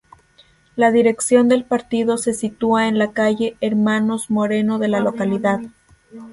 La dirección del partido se sitúa en la Calle hermanos Moreno de la localidad.